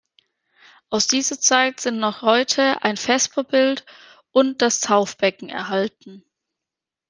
Aus dieser Zeit sind noch heute ein Vesperbild und das Taufbecken erhalten.